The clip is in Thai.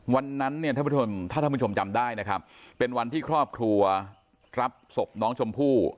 วันนั้นเนี่ยท่านผู้ชมถ้าท่านผู้ชมจำได้นะครับเป็นวันที่ครอบครัวรับศพน้องชมพู่